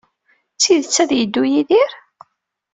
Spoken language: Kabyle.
D tiddit ad yeddu Yidir?